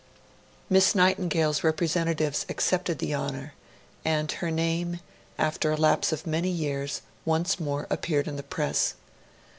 Miss Nightingale's representatives accepted the honour, and her name, after a lapse of many years, once more appeared in the Press.